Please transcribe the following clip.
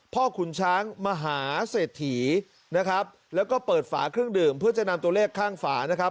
ขุนช้างมหาเศรษฐีนะครับแล้วก็เปิดฝาเครื่องดื่มเพื่อจะนำตัวเลขข้างฝานะครับ